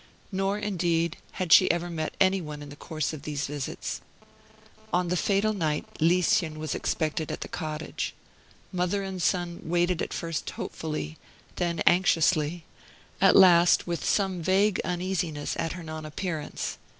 Nor, indeed, had she ever met anyone in the course of these visits. On the fatal night Lieschen was expected at the cottage. Mother and son waited at first hopefully, then anxiously, at last with some vague uneasiness at her non appearance.